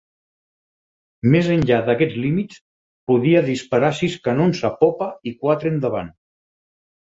Més enllà d'aquests límits, podia disparar sis canons a popa i quatre endavant.